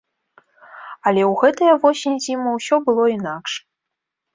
Але ў гэтыя восень-зіму ўсё было інакш.